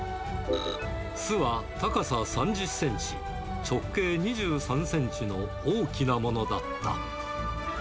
巣は高さ３０センチ、直径２３センチの大きなものだった。